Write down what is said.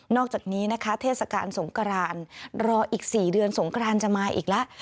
อกจากนี้นะคะเทศกาลสงกรานรออีก๔เดือนสงครานจะมาอีกแล้ว